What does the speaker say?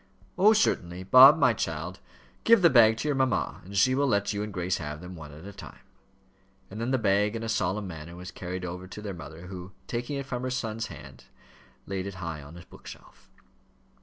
"Oh, certainly. Bob, my child, give the bag to your mamma, and she will let you and Grace have them, one at a time." And then the bag in a solemn manner was carried over to their mother, who, taking it from her son's hands, laid it high on a bookshelf.